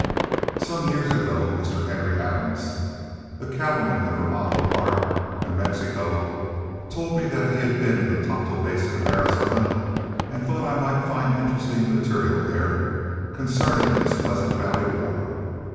Some years ago Mr. Harry Adams, a cattleman of Vermajo Park, New Mexico, told me he had been in the Tonto Basin of Arizona and thought I might find interesting material there concerning this Pleasant Valley War.